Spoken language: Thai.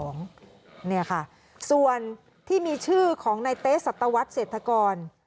นี่ค่ะส่วนที่มีชื่อของในเต๊สัตวัสดิเศรษฐกร